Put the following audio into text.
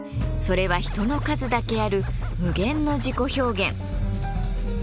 それは人の数だけある無限の自己表現。